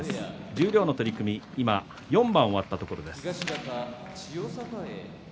十両の取組、今４番終わったところです。